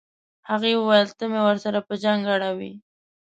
هغه وویل ته مې ورسره په جنګ اړوې.